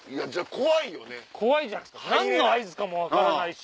怖いじゃないですか何の合図かも分からないし。